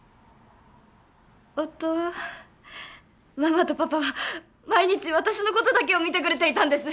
ママとパパは毎日私のことだけを見てくれていたんです。